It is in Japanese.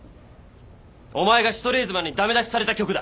お前がシュトレーゼマンにダメ出しされた曲だ。